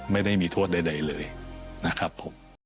ไม่ได้มีโทษใดเลยนะครับผม